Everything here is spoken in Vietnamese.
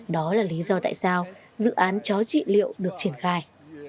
đó là lý do tại sao dự án chó trị liệu được triển khai